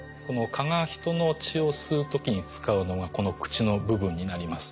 蚊が人の血を吸う時に使うのがこの口の部分になります。